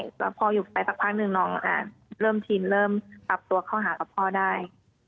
แล้วพออยู่ไปสักพักหนึ่งน้องเริ่มชินเริ่มปรับตัวเข้าหากับพ่อได้